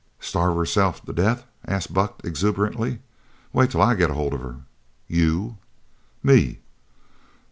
"Starve herself to death?" said Buck exuberantly. "Wait till I get hold of her!" "You?" "Me!"